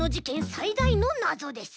さいだいのなぞです。